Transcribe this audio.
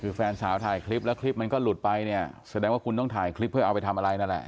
คือแฟนสาวถ่ายคลิปแล้วคลิปมันก็หลุดไปเนี่ยแสดงว่าคุณต้องถ่ายคลิปเพื่อเอาไปทำอะไรนั่นแหละ